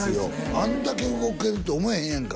あんだけ動けるって思えへんやんか